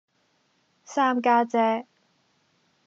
三家姐